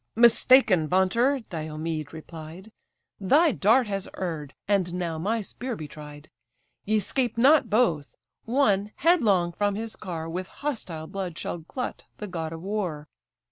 "Mistaken vaunter! (Diomed replied;) Thy dart has erred, and now my spear be tried; Ye 'scape not both; one, headlong from his car, With hostile blood shall glut the god of war."